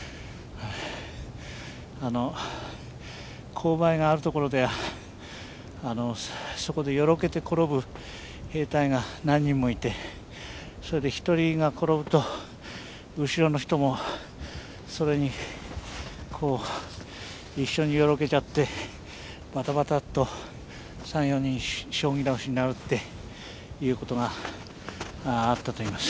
勾配がある所ではそこでよろけて転ぶ兵隊が何人もいてそれで１人が転ぶと後ろの人もそれに一緒によろけちゃってバタバタと３４人将棋倒しになるっていうことがあったといいます。